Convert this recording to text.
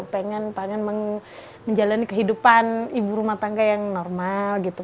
pengen pengen menjalani kehidupan ibu rumah tangga yang normal gitu